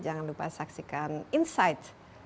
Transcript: jangan lupa saksikan insight